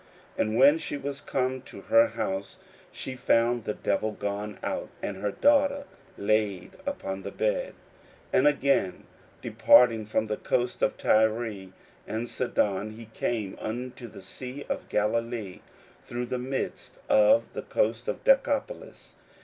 41:007:030 And when she was come to her house, she found the devil gone out, and her daughter laid upon the bed. 41:007:031 And again, departing from the coasts of Tyre and Sidon, he came unto the sea of Galilee, through the midst of the coasts of Decapolis.